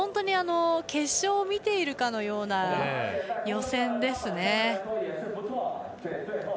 決勝を見ているかのような予選ですね。